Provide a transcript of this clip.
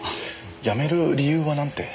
辞める理由はなんて？